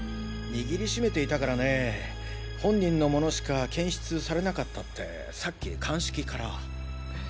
握りしめていたからね本人のモノしか検出されなかったってさっき鑑識から。